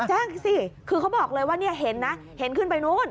แจ้งสิเขาบอกเลยว่าเห็นขึ้นไปนู้น